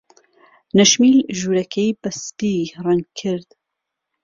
نەشمیل ژوورەکەی بە سپی ڕەنگ کرد.